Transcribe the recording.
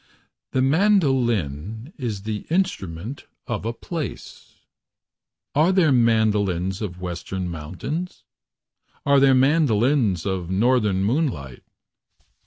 The mandoline is the instrument Of a place . Are there mandolines of Western mountains? Are there mandolines of Northern moonlight?